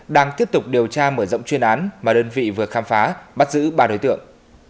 đang tiếp tục điều tra mở rộng chuyên án mà đơn vị vừa khám phá bắt giữ ba đối tượng